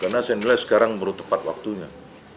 karena saya inilah sekarang baru tepat waktunya